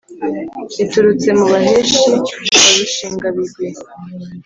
riturutse mu baheshi wa rushingabigwi